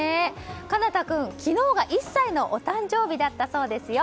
奏多君昨日が１歳のお誕生日だったそうですよ。